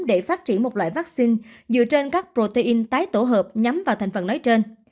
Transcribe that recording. để phát triển một loại vaccine dựa trên các protein tái tổ hợp nhắm vào thành phần nói trên